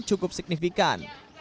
dan cukup signifikan